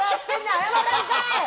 謝らへんかい！